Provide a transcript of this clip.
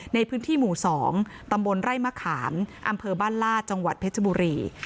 ในพื้นที่หมู่๒ตำบลไร่มะขามอำเภอบ้านลาดจังหวัดเพชรบุรี